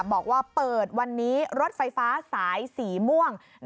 บอกว่าเปิดวันนี้รถไฟฟ้าสายสีม่วง